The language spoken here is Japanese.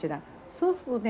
そうするとね